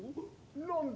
・何だ